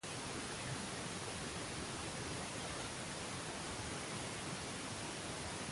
El labrador, para recibir los frutos, es menester que trabaje primero.